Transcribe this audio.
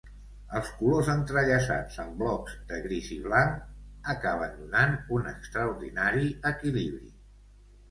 Els colors entrellaçats amb blocs de gris i blanc acaben donant un extraordinari equilibri.